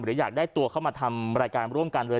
อยากได้ตัวเข้ามาทำรายการร่วมกันเลย